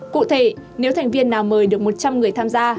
cụ thể nếu thành viên nào mời được một trăm linh người tham gia